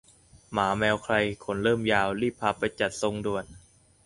หมาแมวใครขนเริ่มยาว รีบพาไปจัดทรงด่วน